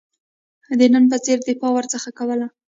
د نن په څېر دفاع ورڅخه کوله.